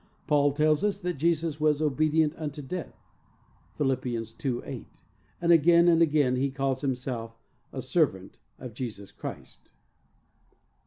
Paul tells us that Jesus was "obedient unto death" (Phil. 2: 8), and again and again he calls himself "a servant of Jesus Christ."